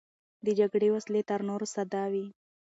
د جګړې وسلې تر نورو ساده وې.